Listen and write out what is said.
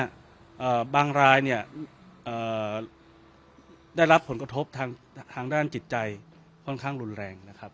อ่าบางรายเนี่ยเอ่อได้รับผลกระทบทางทางด้านจิตใจค่อนข้างรุนแรงนะครับ